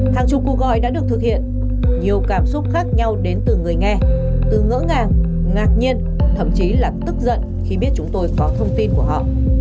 hàng chục cuộc gọi đã được thực hiện nhiều cảm xúc khác nhau đến từ người nghe từ ngỡ ngàng nhiên thậm chí là tức giận khi biết chúng tôi có thông tin của họ